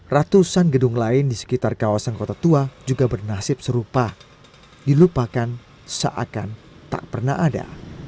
ratusan gedung lain di sekitar kawasan kota tua juga bernasib serupa dilupakan seakan tak pernah ada